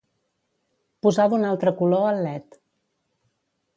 Posar d'un altre color el led.